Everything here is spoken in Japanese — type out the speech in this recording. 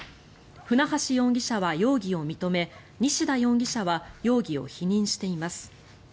船橋容疑者は容疑を認め西田容疑者は容疑を否認しています。